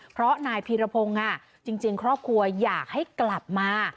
เพราะนายพีรพงศ์จริงครอบครัวอยากให้กลับมา